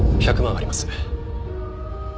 １００万あります。